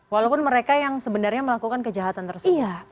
walaupun mereka yang sebenarnya melakukan kejahatan tersebut